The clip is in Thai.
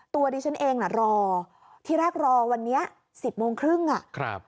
ตัวดิฉันเองน่ะรอที่แรกรอวันนี้สิบโมงครึ่งอ่ะครับ